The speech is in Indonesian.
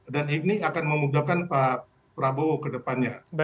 dan ini akan memudahkan pak prabowo ke depannya